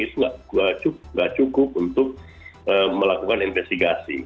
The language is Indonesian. itu tidak cukup untuk melakukan investigasi